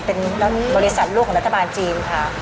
เป็นบริษัทลูกของรัฐบาลจีนค่ะ